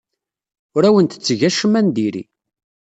Ur awent-tetteg acemma n diri.